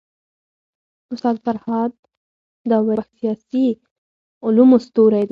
استاد فرهاد داوري په پښتو کي د سياسي علومو ستوری دی.